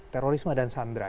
terorisme dan sandera